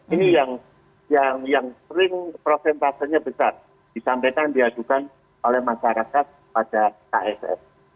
ini yang sering prosentasenya besar disampaikan diadukan oleh masyarakat pada kss